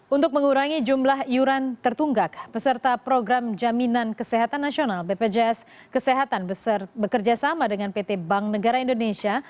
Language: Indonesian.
untuk mengurangi jumlah iuran tertunggak peserta program jaminan kesehatan nasional bpjs kesehatan bekerjasama dengan pt bank negara indonesia